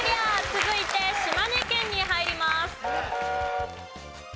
続いて島根県に入ります。